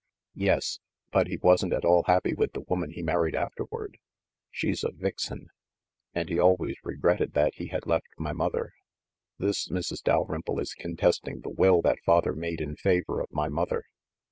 "Yes; but he wasn't at all happy with the woman he married afterward — she's a vixen — and he always regretted that he had left my mother. This Mrs. Dal rymple is contesting the will that father made in favor of my mother.